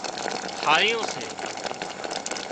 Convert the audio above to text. ٿاۯيون سي